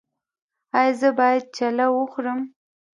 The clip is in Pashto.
ایا زه باید چلو وخورم؟